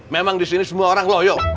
memang di sini semua orang loyo